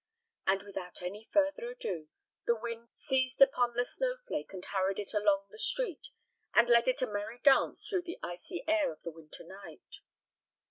And without any further ado, the wind seized upon the snowflake and hurried it along the street and led it a merry dance through the icy air of the winter night.